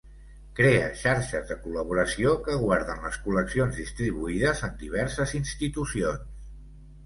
Crea xarxes de col·laboració que guarden les col·leccions distribuïdes en diverses institucions.